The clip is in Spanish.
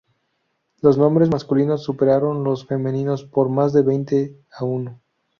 Los nombres masculinos superaron los femeninos por más de veinte a uno.